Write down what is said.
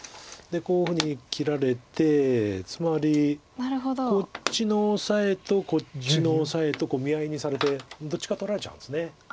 こういうふうに切られてつまりこっちのオサエとこっちのオサエと見合いにされてどっちか取られちゃうんです。